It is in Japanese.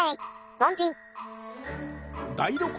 凡人？